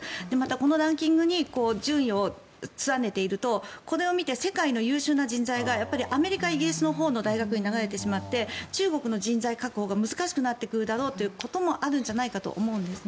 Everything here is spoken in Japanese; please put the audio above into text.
このランキングに順位を連ねているとこれを見て世界の優秀な人材がアメリカ、イギリスのほうの大学に流れてしまって中国の人材確保が難しくなってくるだろうということもあるんじゃないかと思うんです。